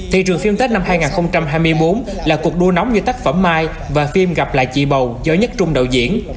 thị trường phim tết năm hai nghìn hai mươi bốn là cuộc đua nóng như tác phẩm mai và phim gặp lại chị bầu do nhất trung đạo diễn